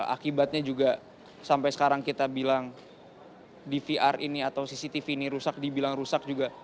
akibatnya juga sampai sekarang kita bilang dvr ini atau cctv ini rusak dibilang rusak juga